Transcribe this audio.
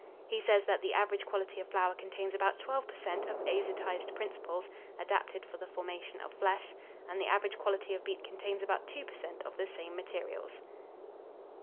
He says that the average quality of flour contains about 12 per cent. of azotized principles adapted for the formation of flesh, and the average quality of beet contains about 2 per cent. of the same materials.